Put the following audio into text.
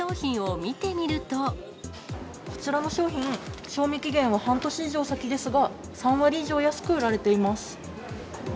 こちらの商品、賞味期限は半年以上先ですが、３割以上安く売られています。